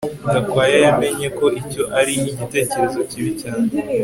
Gakwaya yamenye ko icyo ari igitekerezo kibi cyane